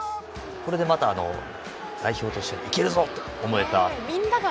これで代表としていけるぞ！と思えた。